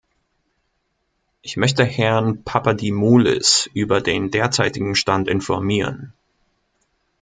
Ich möchte Herrn Papadimoulis über den derzeitigen Stand informieren.